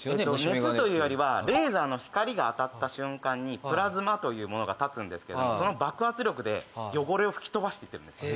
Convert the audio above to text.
熱というよりはレーザーの光が当たった瞬間にプラズマというものがたつんですけどもその爆発力で汚れを吹き飛ばしていってるんですよ